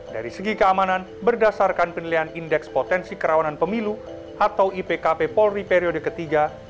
dari segi keamanan berdasarkan penilaian indeks potensi kerawanan pemilu atau ipkp polri periode ketiga